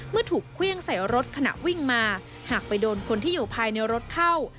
เมื่อถูกเครื่องใส่รถขณะวิ่งมาหากไปโดนคนที่อยู่ภายในรถเข้า